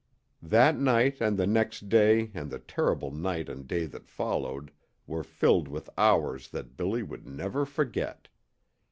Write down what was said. That night and the next day and the terrible night and day that followed were filled with hours that Billy would never forget.